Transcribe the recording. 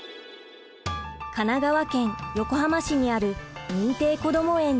神奈川県横浜市にある認定こども園です。